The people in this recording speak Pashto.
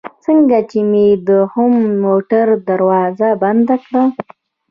څنګه چې مې د دوهم موټر دروازه بنده کړل.